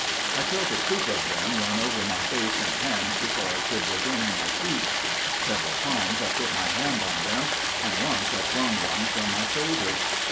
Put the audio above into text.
I felt a troop of them, run over my face and hands before I could regain my feet. Several times I put my hand on them, and once I flung one from my shoulder.